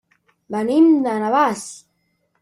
Venim de Navàs.